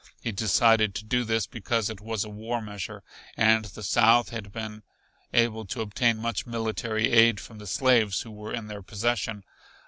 He decided to do this because it was a war measure and the South had been able to obtain much military aid from the slaves who were in their possession.